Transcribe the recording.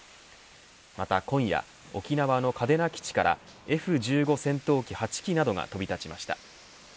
また今夜、沖縄の嘉手納基地からＦ‐１５戦闘機８機などが飛び立ちました。